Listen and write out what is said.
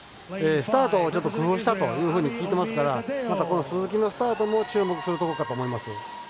スタートをちょっと工夫したと聞いてますから鈴木のスタートも注目するところかと思います。